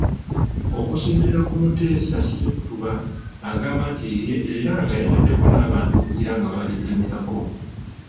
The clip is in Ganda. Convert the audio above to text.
Okusinziira ku Muteesa Ssettuba agamba nti lirye era nga yataddeko n'abantu okugira nga balirimirako.